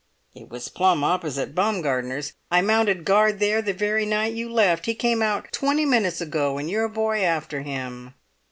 "It was plumb opposite Baumgartner's. I mounted guard there the very night you left. He came out twenty minutes ago, and your boy after him!"